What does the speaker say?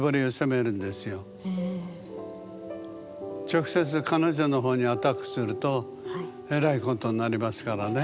直接彼女の方にアタックするとえらいことになりますからね。